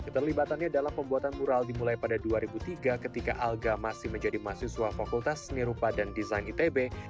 keterlibatannya dalam pembuatan mural dimulai pada dua ribu tiga ketika alga masih menjadi mahasiswa fakultas seni rupa dan desain itb